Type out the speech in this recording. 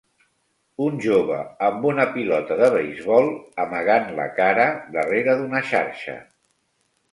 Un jove amb una pilota de beisbol amagant la cara darrere d'una xarxa.